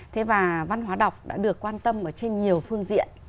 thế và văn hóa đọc đã được quan tâm ở trên nhiều phương diện